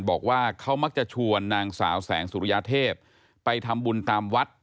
บอกว่าเขามักจะชวนนางสาวแสงสุริยเทพไปทำบุญตามวัด